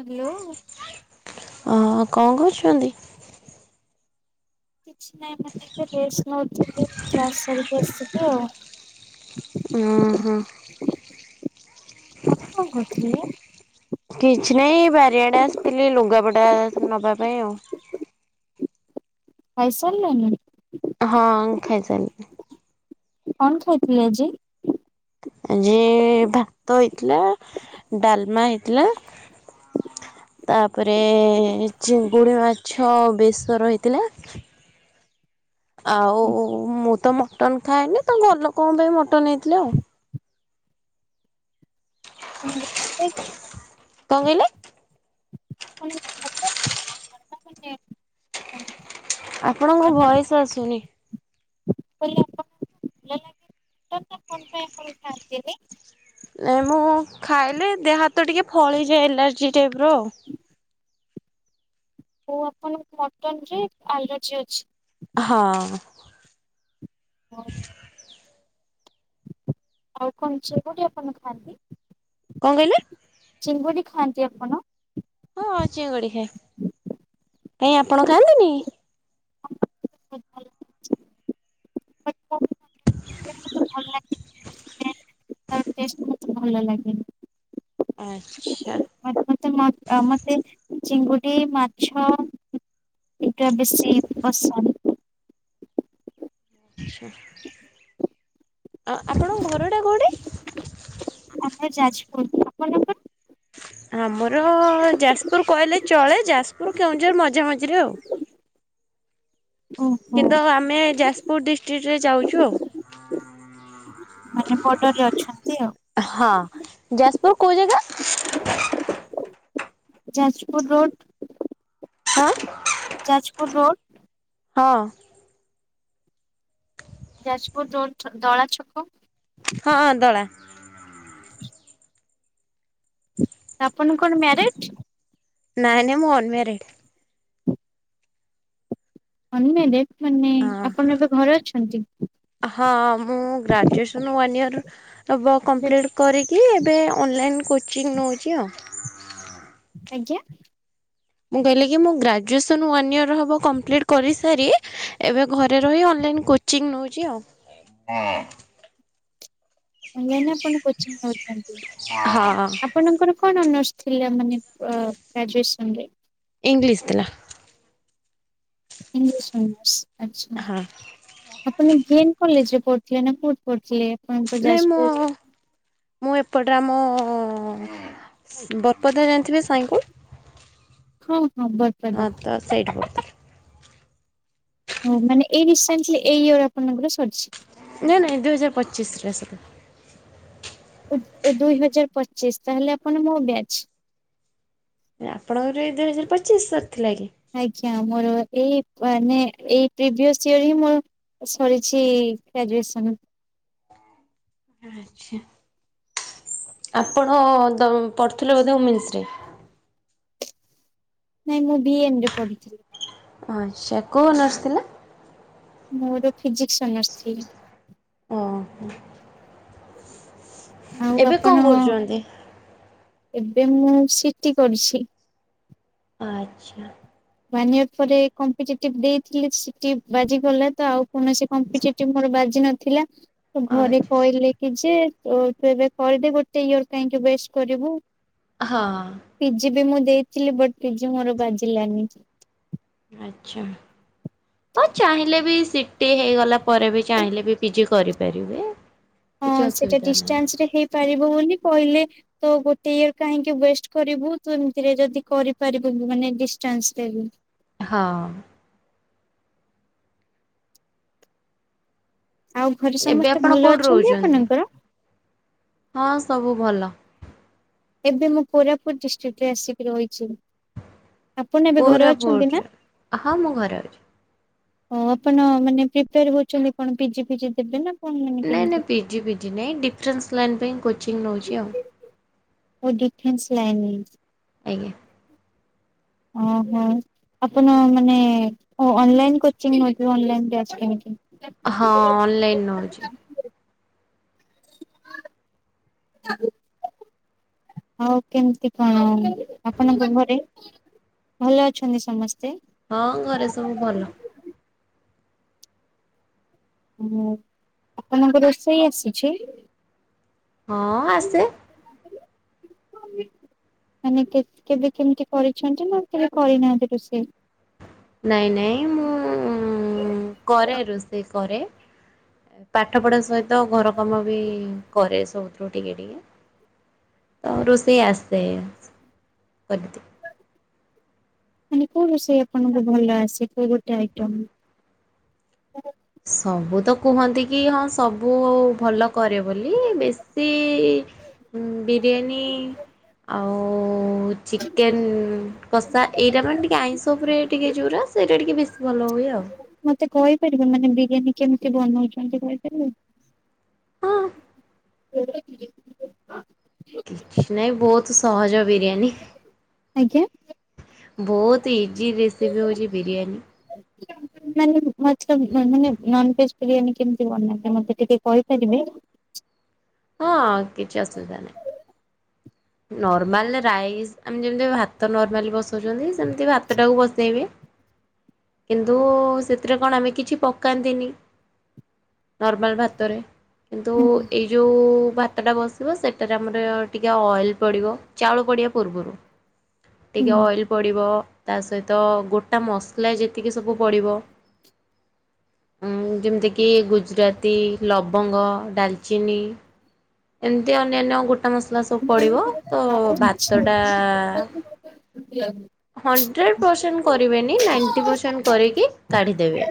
Hello. ଅହ କଣ କରହୁଚନ୍ତି? କିଛି ନାହିଁ ମାନେ ଏବେ ରେଷ୍ଟ୍ ନୋଉଚନ୍ତି କ୍ଲାସ୍ ସାରିକି ଆସିକି ଆଉ। ଉହୁଁ। ଆପଣ କଣ କରୁଥିଲେ? କିଛି ନାହିଁ ବାରିଆଡେ ଆସିଥିଲି ଲୁଗାପଟା ନବା ପାଇଁ ଆଉ। ଖାଇ ସାରଲେଣି? ହଁ ଖାଇ ସାରିଲିଣି। କଣ ଖାଇଥିଲେ ଆଜି? ଆଜି ଭାତ ହେଇଥିଲା ଡାଲମା ହେଇଥିଲା। ତାପରେ ଚିଙ୍ଗୁଡ଼ି ମାଛ ବେଶର ହେଇଥିଲା। ଆଉ ମୁଁ ତ ମଟନ ଖାଏନି ତ ଘର ଲୋକଙ୍କ ପାଇଁ ମଟନ୍ ହେଇଥିଲା ଆଉ। ଖାଆନ୍ତିନି ମୁଁ [unintelligible] କଣ କହିଲେ? ଆପଣଙ୍କ ଭଏସ୍‌ ଆସୁନି। ଖାନ୍ତିିନି। ନାଇଁ ମ ଖାଇଲେ ଦେହ ହାତ ଟିକେ ଫଳିଯାଏ ଏଲାର୍ଜି ଟାଇପ ର ଆଉ। କୌ ଆପଲ? ମଟନ ରେ ଆଲର୍ଜି ଅଛି। ହଁ। ଆଉ କଣ ଚିଙ୍ଗୁଡ଼ି ଆପଣ ଖାଆନ୍ତି? କଣ କହିଲେ? ଚିଙ୍ଗୁଡି ଖାଆନ୍ତି ଆପଣ? ହଁ ଚିଙ୍ଗୁଡ଼ି ଖାଏ କାଇଁ ଆପଣ ଖାଆନ୍ତିନି? ଭଲ ଲାଗେ। ଟେଷ୍ଟ ମତେ ଭଲ ଲାଗେନି। ଆଚ୍ଛା। ମତେ ମତେ ମ ମତେ ଚିଙ୍ଗୁଡି ମାଛ ଏଇଟା ବେଶୀ ପଷନ୍ଧ। ଆ ଆପଣଙ୍କ ଘର ଟା କୋଉଠି? ଆମେ ଯାଜପୁର ଆପଣଙ୍କର? ଆମର ଯାଜପୁର କହିଲେ ଚଳେ ଯାଜପୁର କେଉଁଝର ମଝାମଝିରେ ଆଉ। ଓହୋ କିନ୍ତୁ ଆଉ ଆମେ ଯାଜପୁର ଡିଷ୍ଟ୍ରିକ୍ଟରେ ଯାଉଚୁ ଆଉ। ମାନେ ବଡରରେ ଅଛନ୍ତି ଆଉ। ହଁ ଯାଜପୁର କଉ ଜାଗା? ଯାଜପୁର ରୋଡ। ହାଁ। ଯାଜପୁର ରୋଡ଼। ହଁ। ଯାଜପୁର ରୋଡ଼ ଦଳା ଛକ। ହଁଁ ଦଳା। ଆପଣ କଣ ମ୍ୟାରେଡ୍‌? ନାଇଁ ନାଇଁ ମୁଁ ଅନମ୍ୟାରେଡ୍। ଅନ୍ନେ ଦେ ମାନେ ହଁ ଆପଣ ଏବେ ଘରେ ଅଛନ୍ତି? ହଁ ମୁଁ ଗ୍ରାଜୁଏସନ୍ ୱାନ୍ ଇୟର ତବ ବେ- କମ୍ପ୍ଲିଟ୍ କରିକି ଏବେ ଅନଲାଇନ୍ କୋଚିଂ ନଉଚି ଆଉ। ଆଜ୍ଞା। ମୁଁ କହିଲି କି ମୁଁ ଗ୍ରାଜୁଏସନ୍ ୱାନ୍ ଇୟର ହେବ କମ୍ପ୍ଲିଟ୍ କରିସାରି ଏବେ ଘରେ ରହି ଅନଲାଇନ୍ କୋ ଚିଙ୍ଗ ନଉଚି ଆଉ। ଅନ ଲାଇନ ଆପଣ କୋଚିଙ୍ଗି ନଉଛନ୍ତି ହଁ ଆପଣଙ୍କର କଣ ଅନର୍ସ ଥିଲା ମାନେ ଗ୍ରାଜୁଏସନ ରେ? ଇଂଲିଶ ଥିଲା। ଇଂଗିଲିଶି ଅର୍ନସ ଆଛା। ହଁ ଆପଣ ବିଏନ୍ କଲେଜ ରେ ପଢୁଥିଲେ ନା କୋଠି ପଢ଼ିଥିଲେ। ନାଇଁ ମୁଁ ମୁଁ ଏପଟେ ଆମ ବରପଦା ଜାଣିଥିବେ ସାଇଙ୍କୁଳ। ହଁ ହଁ ବର୍ ହଁ ତ ସେଇଠି ପଢୁ ହ ମାନେ ଏଇ ରିସେଣ୍ଟଲି ଏଇ ଇୟର ଆପଣଙ୍କର ସରିଛି। ନାଇଁ ନାଇଁ ଦୁଇ ହଜାର ପଚିଶ ରେ ସ ଓ ଦୁଇ ହଜାର ପଚିଶ ତାହେଲେ ଆପଣ ମୋ ବ୍ୟାଚ। ଆପଣଙ୍କର ଏଇ ଦୁଇ ହଜାର ପଚିଶ ସରି ଥିଲା କି? ଆଜ୍ଞା ମୋର ଏଇ ମାନେ ଏଇ ପ୍ରିଭିଅସ ଇୟର ହିଁ ମୋର ସରିଛି ଗ୍ରାଜୁଏସନ। ଆଚ୍ଛା। ଆପଣ ପଢ଼ୁଥିଲେ ବୋଧେ ଓମେନ୍ସ ରେ? ନାଇଁ ମୁଁ ଭି ଏମ ରେ ପଢିଥିଲି। ଆଚ୍ଛା କୋଉ ଅନର୍ସ ଥିଲା? ମୋର ଫିଜିକ୍ସ ଅନର୍ସ ଥିଲା। ଓହୋ ଆଉ ଏବେ କଣ ଆପଣ କରୁଛନ୍ତି? ଏବେ ମୁଁ ସିଟି କରୁଛି। ଆଚ୍ଛା। ମାନେ ଆପରେ କମ୍ପେଟିଟିଭ୍ ଦେଇଥିଲେ ସେଠି ବାଜିଗଲା ତ ଆଉ କୌଣସି କମ୍ପେଟିଟିଭ୍ ମୋର ବାଜି ନଥିଲା। ତ ଘରେ ଆଚ୍ଛା କହିଲେ କି ଯେ ତୁ ଏବେ କରିଦେ ଗୋଟେ ଇୟର କାହିଁକି ୱେଷ୍ଟ କରିବୁ। ହଁ। ପିଜି ବି ମୁଁ ଦେଇଥିଲି ବଟ୍ ପିଜି ମୋର ବାଜିଲାନି। ଆଚ୍ଛା। ହଁ ଚାହିଁଲେ ବି ସିଟି ହେଇଗଲା ପରେ ବି ଚାହିଁଲେ ବି ପିଜି କରିପାରିବେ। [inaudible] ହଁ ସେଟା ଅସୁବିଧା ନାହିଁ ଡିଷ୍ଟାନ୍ସ ରେ ହେଇପାରିବ ବୋଲି କହିଲେ ତ ଗୋଟେ ଇୟର କାହିଁକି ୱେଷ୍ଟ କରିବୁ ତ ଏମିତିରେ ଯଦି କରିପାରିବୁ ମାନେ ଡିଷ୍ଟାନ୍ସ ଦେବୁ। ହଁ। ଆଉ ଘରେ ଏବେ ସମସ୍ତେ ଆପଣ ଭଲ କୋଉଠି ଅଛନ୍ତି ରହୁଛନ୍ତି? ଆପଣଙ୍କର? ହଁ ସବୁ ଭଲ। ଏବେ ମୁଁ କୋରାପୁଟ ଡିଷ୍ଟ୍ରିକ୍ଟରେ ଆସିକି ରହିଛି। ଆପଣ ଏବେ ଘରେ ଅଛନ୍ତି ନା? କୋରାପୋର୍ଟରେ ହଁ ମୁଁ ଘରେ ଅଛି। ଓ ଆପଣ ମାନେ ପ୍ରିପେୟାର ହଉଛନ୍ତି କଣ ପି ଜି ଫିଜି ଦେବେ ନା? କଣ ମାନେ ନାଇଁ କେମିତି? ନାଇଁ ପିଜି ଫିଜି ନାହିଁ ଡିଫରେନ୍ସ ଲାଇନ୍ ପାଇଁ କୋଚିଙ୍ଗ ନଉଛି ଆଉ। ଓ ଡିଫେନ୍ସ ଲାଇନି। ଆଜ୍ଞା। ଓହୋ ଆପଣ ମାନେ ଅ ଅନଲାଇନି କୋଚିଙ୍ଗ ନଉ ଥିବେ ଅନଲାଇନ ବ୍ୟାଚ ପାଇଁ କି। ହଁ ଅଲଲାଇନ୍ ନଉଛି। ଆ [unintelligible] ଆଉ କେମିତି କଣ ଆପଣଙ୍କ ଘରେ? ଭଲ ଅଛନ୍ତି ସମସ୍ତେ। ହଁ ଘରେ ସବୁ ଭଲ। ହ ଆପଣଙ୍କୁ ରୋଷେଇ ଆସିଛି? ହଁ ଆସେ। ମାନେ କେବେ କେମିତି କରିଛନ୍ତି ନା କେବେ କରିନାହାନ୍ତି ରୋଷେଇ? ନାଇଁ ନାଇଁ ମୁଁ କରେ ରୋଷେଇ କରେ। ପାଠ ପଢା ସହିତ ଘର କାମ ବି କରେ ସବୁଥିରୁ ଟିକେ ଟିକେ। ତ ରୋଷେଇ ଆସେ କରିଦିଏ। ମାନେ କୋଉ ରୋଷେଇ ଆପଣଙ୍କୁ ଭଲ ଆସେ କୋଉ ଗୋଟେ ଆଇଟମ? ସବୁ ତ କୁହନ୍ତି କି ହଁ ସବୁ ଆଉ ଭଲ କରେ ବୋଲି ବେଶି ଉଁ ବିରିୟାନୀ। ଆଉ ଚିକେନ୍ କଷା ଏଇଟା ମାନେ ଟିକେ ଆଇଁଷ ଉପରେ ଟିକେ ଯୋଉରା ସେଇଟା ଟିକେ ବେଶୀ ଭଲ ହୁଏ ଆଉ। ମତେ କହିପାରିବେ ମାନେ ବିରିୟାନୀ କେମିତି ବନଉଛନ୍ତି କହିପାରିବେ। ହଁ [unintelligible] କିଛି ନାଇଁ ବହୁତ୍ ସହଜ ବିରିୟାନି। ଆଜ୍ଞା। ବହୁତ୍ ଇଜି ରେସିପି ହେଉଚି ବିରିୟାନୀ। ମାନେ ମତେ ମାନେ ନନ୍ ଭେଜ୍ ବିରିୟାନୀ କେମିତି ବନାନ୍ତି ମତେ ଟିକେ କହିପାରିବେ? ହଁ କିଛି ଅସୁବିଧା ନାହିଁ। ନର୍ମାଲେ ରାଇସ୍ ଆମେ ଯେମିତି ଭାତ ନର୍ମାଲି ବସଉଛନ୍ତି ସେମିତି ଭାତଟାକୁ ବସେଇବେ କିନ୍ତୁ ସେଥିରେ କଣ ଆମେ କିଛି ପକାନ୍ତିନି ନର୍ମାଲ୍ ଭାତରେ। କିନ୍ତୁ ହୁଁ ଏଇ ଯୋଉ ଭାତଟା ବସିବ ସେଟାରେ ଆମର ଟିକେ ଅଏଲ୍ ପଡ଼ିବ ଚାଉଳ ପଡ଼ିବା ପୂର୍ବରୁ ଟିକେ ଅଏଲ୍ ପଡ଼ିବ ତାସହିତ ଗୋଟା ମସଲା ଯେତିକି ସବୁ ପଡ଼ିବ ଉଁ ଯେମିତିକି ଗୁଜୁରାତି ଲବଙ୍ଗ ଡାଲଚିନି ଏମିତି ଅନ୍ୟାନ୍ୟ ଗୋଟା ମସଲା ସ ତ ପଡ଼ିବ ତ ଭାତ ଆଚ୍ଛା। ଟା ହଣ୍ଡ୍ରେଡ଼ ପରସେଣ୍ଟ କରିବେନି ନାଇଣ୍ଟି ପରସେଣ୍ଟ କରିକି କାଢ଼ିଦେବେ।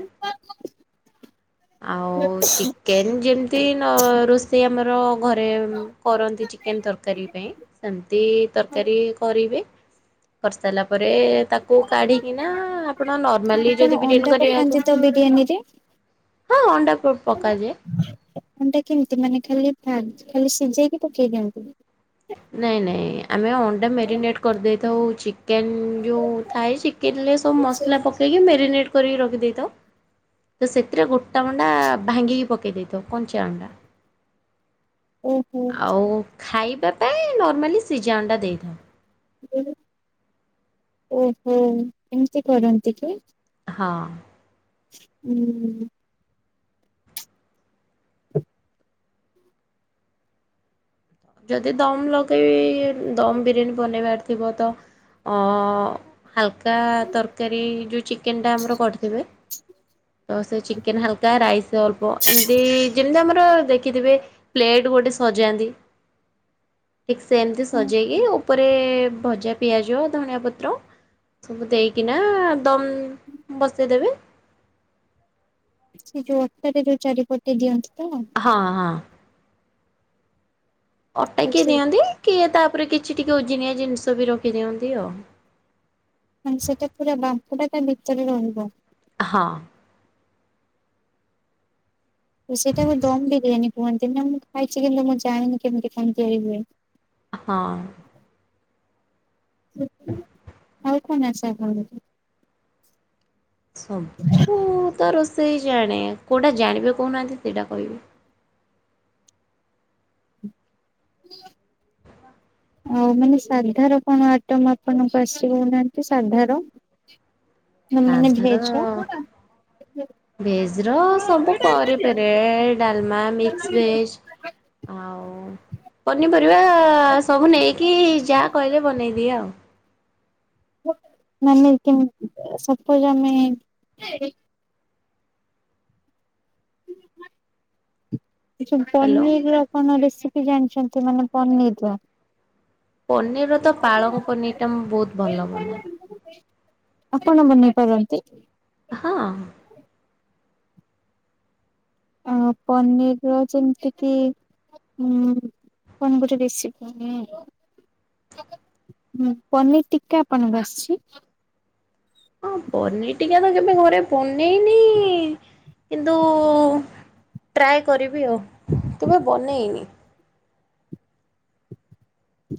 ଆଉ ଚିକେନ୍ ଯେମିତି ନ ରୋଷେଇ ଆମର ଘ ରେ କରନ୍ତି ଚିକେନ୍ ତରକାରୀ ପାଇଁ ସେମିତି ତରକାରୀ କରିବେ। କରିସାରିଲା ପରେ ତାକୁ କାଢିକିନା ଆପଣ ନର୍ମାଲି ଯଦି ବିରିୟାନି କରିବା ପକାନ୍ତିତ ବିରିୟାନୀ ରେ? ହଁ ଅଣ୍ଡା ପ ପକାଯାଏ। ଅଣ୍ଡା କେମିତି ମାନେ ଖାଲି ଭାଜି ଖାଲି ସିଝେଇକି ପକେଇ ଦିଅନ୍ତି? ନାଇଁ ନାଇଁ ଆମେ ଅଣ୍ଡା ମେରିନେଟ୍ କରିଦେଇଥାଉ ଚିକେନ୍ ଯୋଉ ଥାଏ ଚିକେନଲେଶ୍ ତ ମସଲା ପକେଇକି ମେରିନେଟ୍ କରିକି ରଖିଦେଇଥାଉ। ତ ସେଥିରେ ଗୋଟା ଅଣ୍ଡା ଭାଙ୍ଗିକି ପକେଇ ଦେଇଥାଉ କଞ୍ଚା ଅଣ୍ଡା ଓହୋ ଆଉ ଖାଇବା ପାଇଁ ନର୍ମାଲି ସିଜା ଅଣ୍ଡା ଦେଇଥାଉ। ଓହୋ ଏମିତି କରନ୍ତିକି? ହଁ। ହୁଁ। ଯଦି ଦମ୍ ଲଗେଇବି ଦମ୍ ବିରିୟାନୀ ବନେଇବାର ଥିବତ ଅଁ ହାଲକା ତରକାରୀ ଯୋଉଁ ଚିକେନେଟା ଆମର କରିଥିବେ ତ ସେଇ ଚିକେନ୍ ହାଲକା ରାଇସ୍ ଅଳ୍ପ ଏମିତି ଯେମିତି ଆମର ଦେଖିଥିବେ ପ୍ଲେଟ୍ ଗୋଟେ ସଜାନ୍ତି। ଠିକ୍ ସେମିତି ସଜେଇକି ଉପରେ ଭଜା ପିଆଜ ଧନିଆ ପତ୍ର ସବୁ ଦେଇକିନା ଦମ୍ ବସେଇଦେବେ ସେ ଯୋଉ ଅଟାରେ ଯୋଉ ଚାରିପଟେ ଦିଅନ୍ତିତ? ହଁ ହଁ। ଅଟା କିଏ ସେ ଦିଅନ୍ତି କିଏ ତାପରେ କିଛି ଟିକେ ଓଜିନିଆ ଜିନିଷବି ରଖିଦିଅନ୍ତି ଆଉ। ମାନେ ସେଟା ପୁରା ବାମ୍ପଟା ତାଭିତରେ ରହିବ? ହଁ। ତ ସେଟାକୁ ଦମ୍ ବିରିୟାନୀ କୁହନ୍ତି ନାମୁଁ ଖାଇଛି କିନ୍ତୁ ମୁଁ ଜାଣିନି କେମିତି କଣ ତିଆରି ହୁଏ। ହଁ। ଆଉ କଣ ଆସେ ଆପଣଙ୍କୁ? ସବୁତ ରୋଷେଇ ଜାଣେ କୋଉଟା ଜାଣିବେ କହୁନାହାନ୍ତି ସେଇଟା କହିବି। [inaudible] ଆଉ ମାନେ ସାଧାର କଣ ଆଇଟମ୍ ଆପଣଙ୍କୁ ଆସିବ କଉନାହାନ୍ତି ସାଧାର? [inaudible] ମାନେ ମାନେ ଭେଜର୍? ଭେଜର୍ ସବୁ କରିପାରେ ଡ଼ାଲମା ମିକ୍ସ୍ ଭେଜ୍ ଆଉ ପନିପରିବା ଆ ସବୁ ନେଇକି ଯାହା କହିଲେ ବନେଇଦିଏ ଆଉ। ମାନେ କେମିତି ସପୋଜ୍ ଆମେ ଏ ଯୋଉ ହ୍ୟାଲୋ ପନିରର କଣ ରେସିପି ଜାଣିଚନ୍ତି ମାନେ ପନିରର? ପନିରର ତ ପାଳଙ୍ଗ ପନିରଟା ମୁଁ ବୋହୁତ ଭଲ ବନାଏ। ଆପଣ ବନେଇ ପାରନ୍ତି? ହଁ। ଅଁ ପନିରର ଯେମିତି କି ଉଁ କଣ ଗୋଟେ ରେସିପି ଆଉ ନୁହେଁ ପନିର ଟିକା ଆପଣଙ୍କୁ ଆସଚି? ହଁ ପନିର ଟିକା ତ କେବେ ଘରେ ବନେଇ [unintelligible] କିନ୍ତୁ ଟ୍ରାଏ କରିବି ଆଉ କେବେ ବନେଇନି।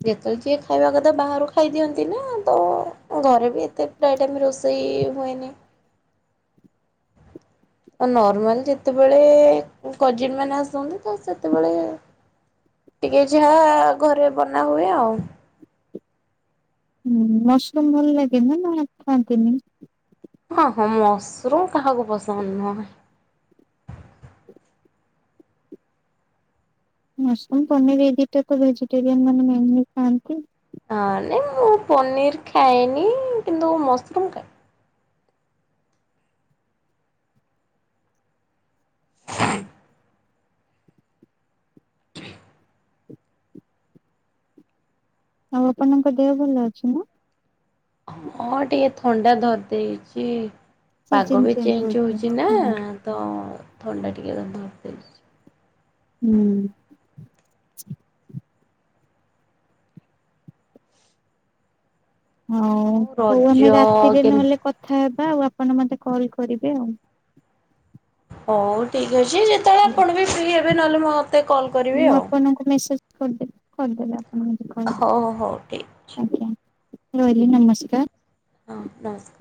ଯେତୋଳ ଯିଏ ଖା ଖାଇବା କଥା ବାହାରୁ ଖାଇଦିଅନ୍ତି ନା ତ ଘରେ ବି ଏତେ ପ୍ରାୟ ଟାଇମ୍ ରୋଷେଇ ହୁଏନି। ଆଉ ନର୍ମାଲ ଯେତେବେଳେ ଉଁ କଜିନମାନେ ଆସନ୍ତି ତ ସେତେବେଳେ ଟିକେ ଯାହା ଘରେ ବନାହୁଏ ଆଉ। ହୁଁ ମସରୁମ ଭଲ ଲାଗେନା ନା ଖାଆନ୍ତିନି? ହଁ ହଁ ମସରୁମ କାହାକୁ ପସନ୍ଦ ନୁହଁ। ମସରୁମ ପନିର ଏଇ ଦିଟା ତ ଭେଜିଟେରିଆନ ମାନେ ମେନଲି ଖଆନ୍ତି। ହଁ ନାଇଁ ମୁଁ ପନିର ଖାଏନି କିନ୍ତୁ ମସରୁମ ଖାଏ। ଖାଏ। ଆଉ ଆପଣଙ୍କ ଦେହ ଭଲ ଅଛି ନା? ହଁ ଟିକେ ଥଣ୍ଡା ଧରଦେଇଚି। ପାଗ ସିଜନ ବି ଚେଞ୍ଜ ହଉଛି ହୋଉଚି ନା ହଁ। ତ ଥଣ୍ଡା ଟିକେ ଧରିଦେଇଚି। ହୁଁ। ହୋଉ ହଉ ହୋଉ ରଜ ଆମେ ରାତିରେ କେମିତି ନହେଲେ କଥା ହେବା ଆଉ ଆପଣ ମତେ କଲ କରିବେ ଆଉ। ହୋଉ ଠିକ୍ ଅଛି ଯେତେବେଳେ ଆପଣ ବି ଫ୍ରି ହେବେ ନହେଲେ ମତେ କଲ୍ କରିବେ ମୁଁ ଆଉ। ଆପଣଙ୍କୁ ମେସେଜ କରିଦେବି କରିଦେବେ ଆପଣ ମ ହୋଉ ହୋଉ ଠିକ ଆଜ୍ଞା ରହିଲି ନମସ୍କାର। ହଁ ନମସ୍କା